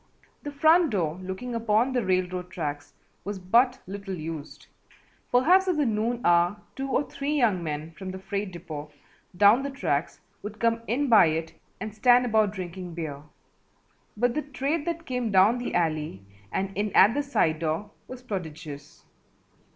The front door looking upon the railroad tracks was but little used, perhaps at the noon hour two or three young men from the freight depot down the tracks would come in by it and stand about drinking beer, but the trade that came down the alley and in at the side door was prodigious.